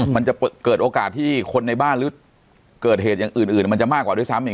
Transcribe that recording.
มันจะเกิดโอกาสที่คนในบ้านหรือเกิดเหตุอย่างอื่นมันจะมากกว่าด้วยซ้ำอีก